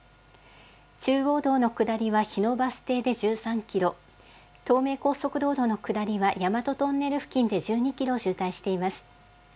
中央道の下りは日野バス停で１３キロ、東名高速道路の下りは大和トンネル付近で１２キロ渋滞しています。